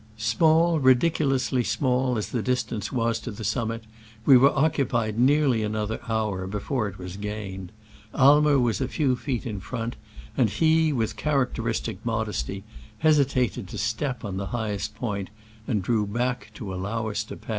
Small, ridiculously small, as the dis tance was to the summit, we were occu pied nearly another hour before it was gained. Aimer was i few feet in front, and he, with characteristic modesty, hesitated to step on the highest point, and drew back to allow us to pass.